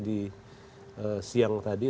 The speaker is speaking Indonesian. di siang tadi